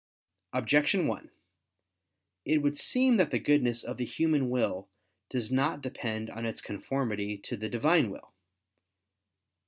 Objection 1: It would seem that the goodness of the human will does not depend on its conformity to the Divine will.